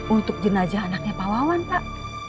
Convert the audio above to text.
untuk jenazah anaknya pa'awan tak